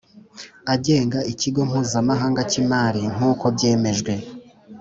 agenga Ikigega Mpuzamahanga cy Imari nk uko byemejwe